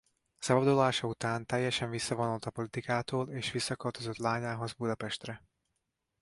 Szabadulása után teljesen visszavonult a politikától és visszaköltözött lányához Budapestre.